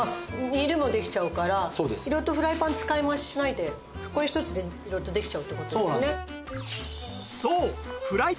煮るもできちゃうからフライパン使い回ししないでこれ一つでいろいろとできちゃうって事ですね。